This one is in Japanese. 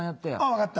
分かった。